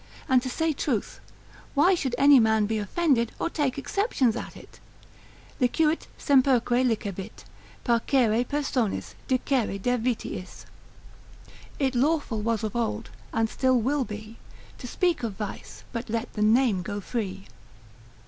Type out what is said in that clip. And to say truth, why should any man be offended, or take exceptions at it? Licuit, semperque licebit, Parcere personis, dicere de vitiis. It lawful was of old, and still will be, To speak of vice, but let the name go free.